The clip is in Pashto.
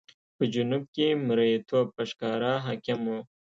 په جنوب کې مریتوب په ښکاره حاکم و.